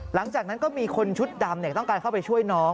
หลังจากนั้นก็มีคนชุดดำต้องการเข้าไปช่วยน้อง